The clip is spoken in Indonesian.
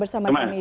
bersama dengan mbd